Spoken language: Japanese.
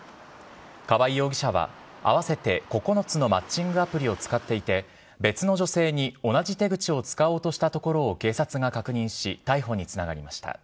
河合容疑者は、合わせて９つのマッチングアプリを使っていて、別の女性に同じ手口を使おうとしたところを警察が確認し、逮捕につながりました。